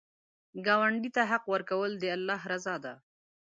ګاونډي ته حق ورکول، د الله رضا ده